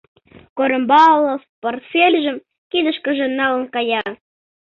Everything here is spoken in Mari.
Корембалов портфельжым кидышкыже налын кая.